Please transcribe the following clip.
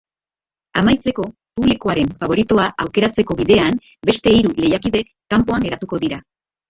Amaitzeko, publikoaren faboritoa aukeratzeko bidean, beste hiru lehiakide kanpoan geratuko dira.